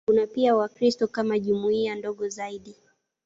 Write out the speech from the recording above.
Kuna pia Wakristo kama jumuiya ndogo zaidi.